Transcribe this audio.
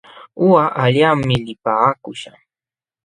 Uqa allaqmi lipaakuśhaq.